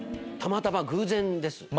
たまたま偶然です。